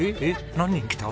何人来た？